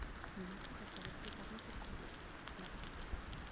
Nonancourt est traversée par un seul cours d'eau, l'Avre.